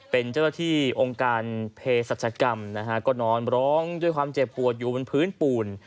เป็นเจ้าหน้าที่องค์การเพศรัชกรรมนะฮะก็นอนร้องด้วยความเจ็บปวดอยู่บนพื้นปูน